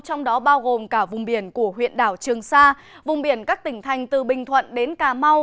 trong đó bao gồm cả vùng biển của huyện đảo trường sa vùng biển các tỉnh thành từ bình thuận đến cà mau